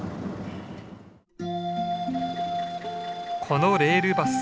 このレールバス